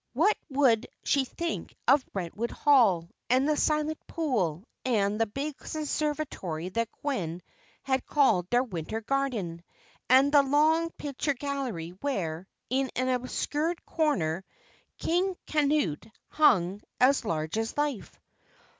What would she think of Brentwood Hall, and the Silent Pool, and the big conservatory that Gwen had called their winter garden, and the long picture gallery, where, in an obscure corner, "King Canute" hung as large as life?